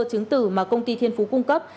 chứng tử mà công ty thiên phú cung cấp